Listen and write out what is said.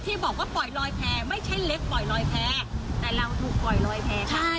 ที่บอกว่าปล่อยลอยแพ้ไม่ใช่เล็กปล่อยลอยแพ้แต่เราถูกปล่อยลอยแพ้ค่ะ